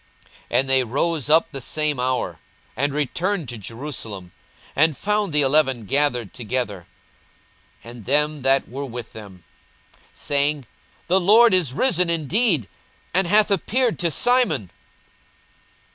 42:024:033 And they rose up the same hour, and returned to Jerusalem, and found the eleven gathered together, and them that were with them, 42:024:034 Saying, The Lord is risen indeed, and hath appeared to Simon.